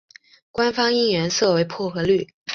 官方应援色为薄荷绿。